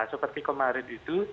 seperti kemarin itu